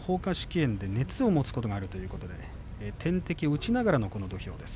炎で熱を持つことがあるということで点滴を受けながらの土俵です。